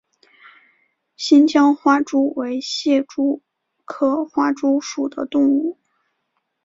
新疆花蛛为蟹蛛科花蛛属的动物。